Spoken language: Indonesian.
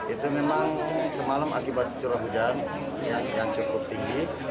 itu memang semalam akibat curah hujan yang cukup tinggi